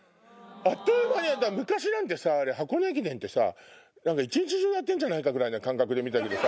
昔なんてさ『箱根駅伝』ってさ一日中やってんじゃないかぐらいな感覚で見たけどさ。